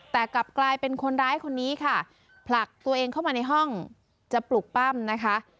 แต่กลับกลายเป็นคนร้ายคนนี้ค่ะผลักตัวเองเข้ามาในห้องจะปลุกปั้มนะคะ